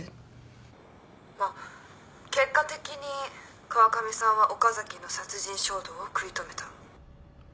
まあ結果的に川上さんは岡崎の殺人衝動を食い止めた。